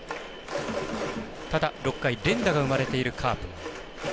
ただ、６回連打が生まれているカープ。